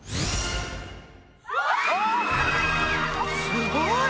すごい！